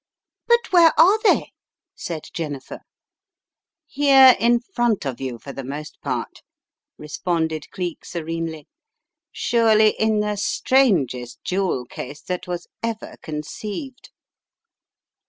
"But where are they?" said Jennifer. "Here in front of you, for the most part," re sponded Cleek, serenely, "surely in the strangest jewel case that was ever conceived."